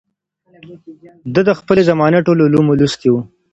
ده د خپلې زمانې ټول علوم لوستي وو